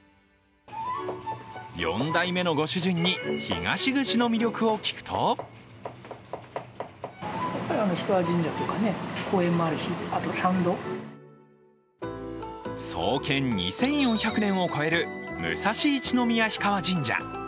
４代目のご主人に東口の魅力を聞くと創建２４００年を超える武蔵一宮氷川神社。